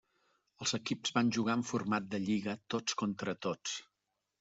Els equips van jugar en format de lliga tots contra tots.